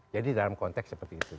jadi dalam konteks seperti itu